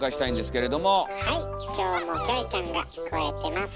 今日もキョエちゃんがくわえてます。